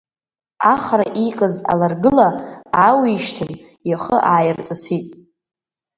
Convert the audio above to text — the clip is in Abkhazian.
Ахра иикыз аларгыла аауишьҭын, ихы ааирҵысит.